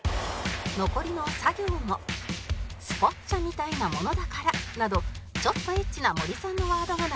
残りのさ行も「すぽっちゃみたいなものだから」などちょっとエッチな森さんのワードが並びます